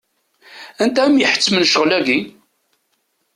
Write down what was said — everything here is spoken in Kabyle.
Anta i m-iḥettmen ccɣel-agi?